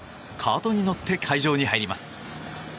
カートに乗って会場に入ります。